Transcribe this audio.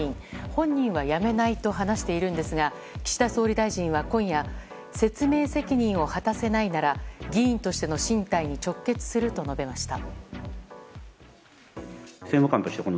本人は辞めないと話しているんですが岸田総理大臣は今夜説明責任を果たせないなら議員としての進退に直結すると述べました。